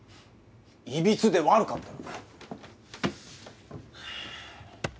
いびつで悪かったな。